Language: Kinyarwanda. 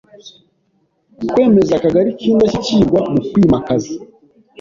Kwemeza Akagari k’indashyikirwa mu kwimakaza